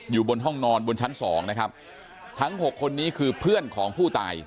อยู่บนห้องนอนบนชั้นสองนะครับทั้งหกคนนี้คือเพื่อนของผู้ตาย